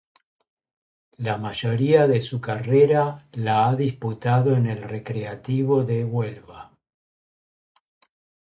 La mayoría de su carrera la ha disputado en el Recreativo de Huelva.